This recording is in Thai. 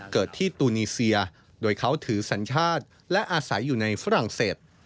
เกิดที่ตูนีเซียโดยเขาถือสัญชาติและอาศัยอยู่ในฝรั่งเศส